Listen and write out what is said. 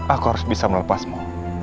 aku harus bisa melepasmu